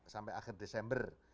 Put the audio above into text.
sampai akhir desember